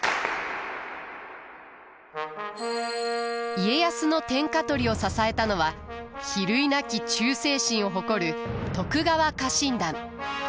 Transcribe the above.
家康の天下取りを支えたのは比類なき忠誠心を誇る徳川家臣団。